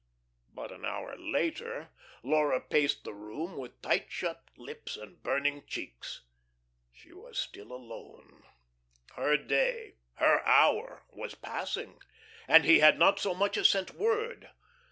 But an hour later Laura paced the room with tight shut lips and burning cheeks. She was still alone; her day, her hour, was passing, and he had not so much as sent word.